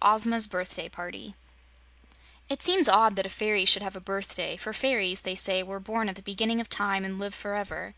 Ozma's Birthday Party It seems odd that a fairy should have a birthday, for fairies, they say, were born at the beginning of time and live forever.